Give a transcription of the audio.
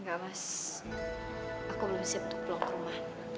gak mas aku belum siap untuk pulang ke rumah